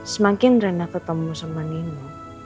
semakin rendah ketemu sama nino